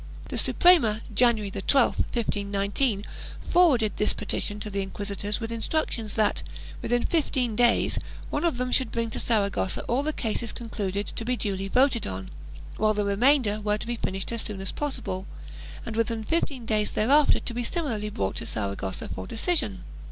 The Suprema, January 12, 1519, forwarded this petition to the inquisi tors with instructions that, within fifteen days, one of them should bring to Saragossa all the cases concluded, to be duly voted on, while the remainder were to be finished as soon as possible and within fifteen days thereafter to be similarly brought to Saragossa for decision.